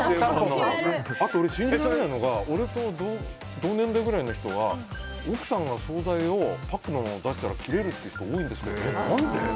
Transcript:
あと信じられないのが俺と同年代くらいの人が奥さんが、総菜をパックのまま出したらキレるっていう人多いんですけどね。